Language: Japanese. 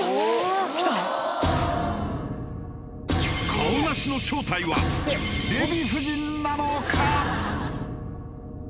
カオナシの正体はデヴィ夫人なのか？